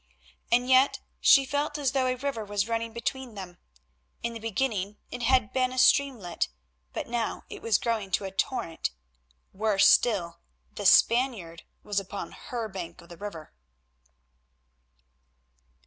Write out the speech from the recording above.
And yet she felt as though a river was running between them. In the beginning it had been a streamlet, but now it was growing to a torrent. Worse still the Spaniard was upon her bank of the river.